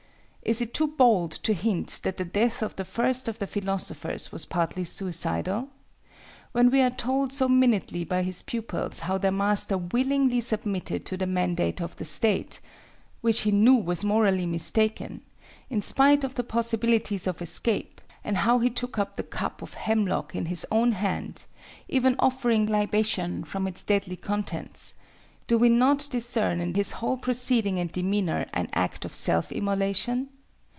Is it too bold to hint that the death of the first of the philosophers was partly suicidal? When we are told so minutely by his pupils how their master willingly submitted to the mandate of the state—which he knew was morally mistaken—in spite of the possibilities of escape, and how he took up the cup of hemlock in his own hand, even offering libation from its deadly contents, do we not discern in his whole proceeding and demeanor, an act of self immolation?